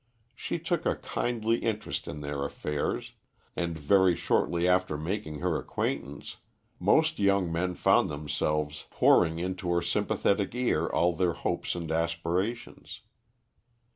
She took a kindly interest in their affairs, and very shortly after making her acquaintance, most young men found themselves pouring into her sympathetic ear all their hopes and aspirations.